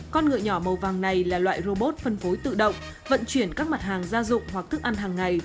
con ngựa nhỏ màu vàng này là loại robot phân phối tự động vận chuyển các mặt hàng gia dụng hoặc thức ăn hàng ngày